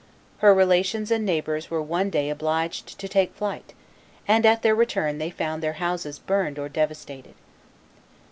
Her relations and neighbors were one day obliged to take to flight, and at their return they found their houses burned or devastated.